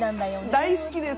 大好きです。